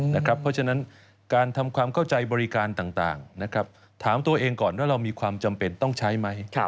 เพราะฉะนั้นการทำความเข้าใจบริการต่างถามตัวเองก่อนว่าเรามีความจำเป็นต้องใช้ไหม